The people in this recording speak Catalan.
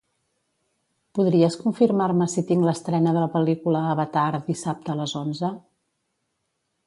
Podries confirmar-me si tinc l'estrena de la pel·lícula Avatar dissabte a les onze?